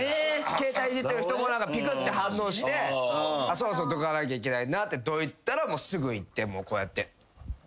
携帯いじってる人もぴくって反応してそろそろどかなきゃいけないなってどいたらすぐいってこうやってやってます。